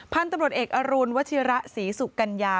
พันธุ์ตำรวจเอกอรุณวัชิระศรีสุกัญญา